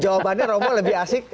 jawabannya romo lebih asik